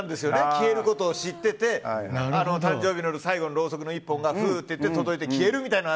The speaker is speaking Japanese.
消えることを知ってて誕生日の夜最後のろうそくの１本がふーって言って届いて決めるみたいな。